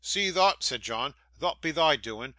'See thot?' said John 'Thot be thy doin'.